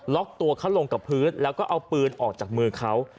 ตัวเขาลงกับพื้นแล้วก็เอาปืนออกจากมือเขา